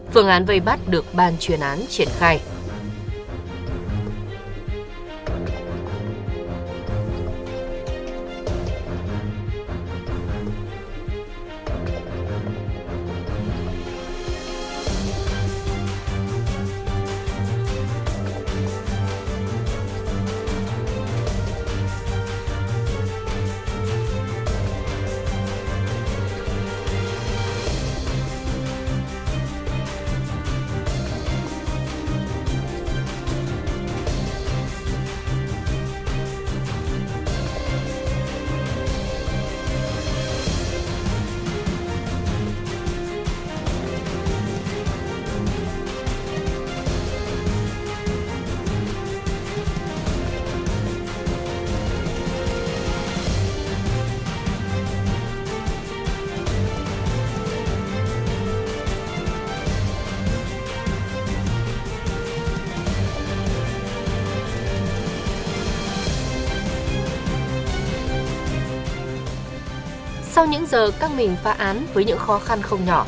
phương án vây bắt được ban chuyên án triển khai